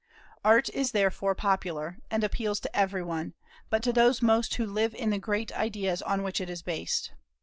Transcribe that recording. Art is therefore popular, and appeals to every one, but to those most who live in the great ideas on which it is based.